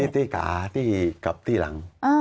ที่ขาที่กับที่หลัง